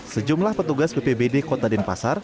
sejumlah petugas bpbd kota denpasar